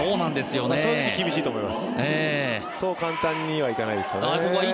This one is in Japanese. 正直、厳しいと思いますそう簡単にはいかないですよね。